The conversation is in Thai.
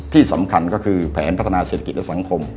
ที่สำคัญก็คือแผนพัฒนาเศรษฐกิจและสังคม